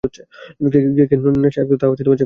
কে কে নেশায় আসক্ত তা চেক করে।